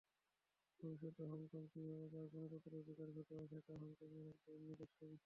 ভবিষ্যতে হংকং কীভাবে তার গণতন্ত্রের বিকাশ ঘটাবে, সেটা হংকংয়ের একদম নিজস্ব বিষয়।